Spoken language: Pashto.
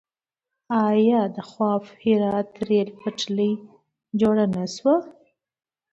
آیا د خواف هرات ریل پټلۍ جوړه نه شوه؟